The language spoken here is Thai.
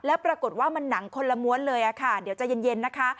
แล้วปรากฏว่ามันหนังคนละม้วนเลยค่ะเดี๋ยวจะเย็นนะคะ